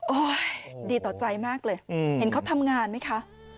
ดีต่อใจมากเลยเห็นเขาทำงานไหมคะ